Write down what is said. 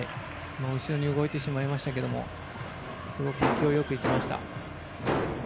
後ろに動いてしまいましたけどもすごく勢いよくいきました。